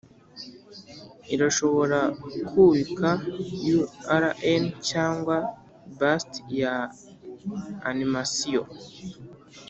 irashobora kubika urn cyangwa bust ya animasiyo